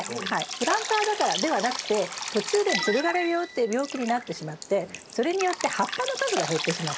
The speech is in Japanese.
プランターだからではなくて途中でつる枯病っていう病気になってしまってそれによって葉っぱの数が減ってしまった。